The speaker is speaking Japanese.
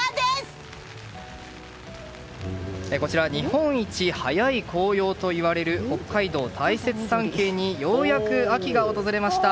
日本一早い紅葉といわれる北海道大雪山系にようやく秋が訪れました。